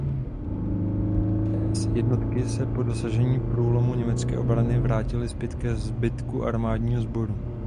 Čs. jednotky se po dosažení průlomu německé obrany vrátily zpět ke zbytku armádního sboru.